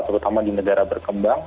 terutama di negara berkembang